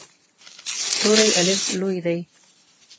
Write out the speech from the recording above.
توری “الف” لوی دی.